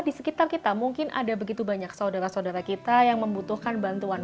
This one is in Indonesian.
di sekitar kita mungkin ada begitu banyak saudara saudara kita yang membutuhkan bantuan